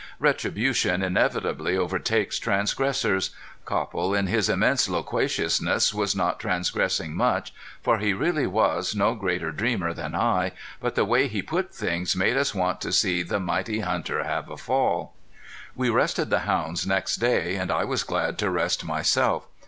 Retribution inevitably overtakes transgressors. Copple in his immense loquaciousness was not transgressing much, for he really was no greater dreamer than I, but the way he put things made us want to see the mighty hunter have a fall. We rested the hounds next day, and I was glad to rest myself.